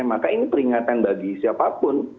maka ini peringatan bagi siapapun